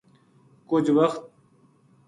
کُجھ وخ